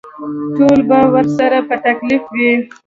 ټول به ورسره په تکلیف وي.